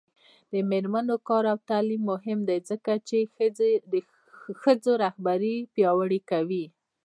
د میرمنو کار او تعلیم مهم دی ځکه چې ښځو رهبري پیاوړې کوي.